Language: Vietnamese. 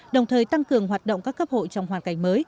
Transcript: đồng thời tăng cường hoạt động các cấp hội trong hoàn cảnh mới